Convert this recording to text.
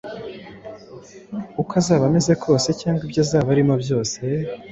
Uko azaba ameze kose cyangwa ibyo azaba arimo byose,